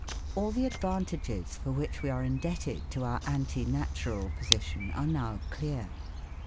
All the advantages for which we are indebted to our anti natural position are now clear.